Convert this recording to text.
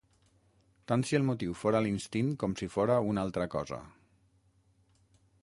Tant si el motiu fora l'instint com si fora una altra cosa.